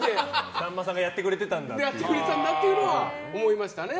さんまさんがやってくれてたんだっていうのは思いましたね。